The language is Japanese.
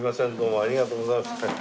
ありがとうございます。